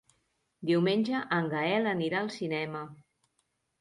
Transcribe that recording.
Diumenge en Gaël anirà al cinema.